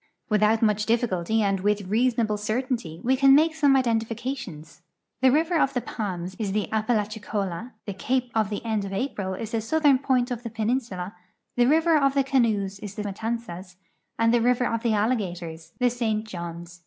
Without much dillicult}'' and with reason able certainty we can make some identifications. The River of the Palms is the Apalachicola, the Cape of the End of A])ril is the southern [mint of the j)cninsula, the River of the Canoes is the Matanzas, and the River of the Alligators the *St. Johns.